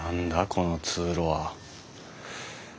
この通路は。